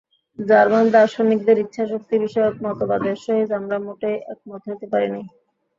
German দার্শনিকদের ইচ্ছাশক্তি-বিষয়ক মতবাদের সহিত আমরা মোটেই একমত হইতে পারি না।